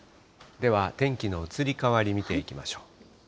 では、天気の移り変わり見ていきましょう。